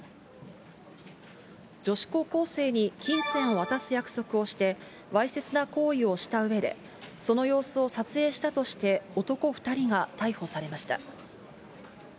女子高校生に金銭を渡す約束をして、わいせつな行為をしたうえで、その様子を撮影したとして、男２人が逮捕されました。